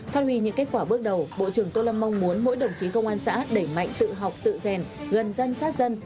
phát huy những kết quả bước đầu bộ trưởng tô lâm mong muốn mỗi đồng chí công an xã đẩy mạnh tự học tự rèn gần dân sát dân